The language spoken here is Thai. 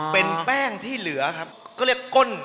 เป็นแป้งที่เหลือครับก็เรียกก้น